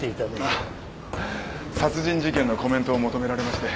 あっ殺人事件のコメントを求められまして。